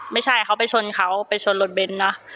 ไม่ใช่เขาไปชนเขาไปชนรถเบนท์เนอะ